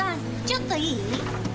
ちょっといい？